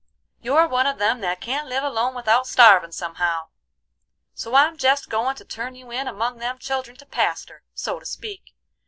You're one of them that can't live alone without starvin' somehow, so I'm jest goin' to turn you in among them children to paster, so to speak.